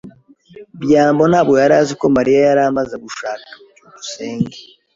byambo ntabwo yari azi ko Mariya yari amaze gushaka. byukusenge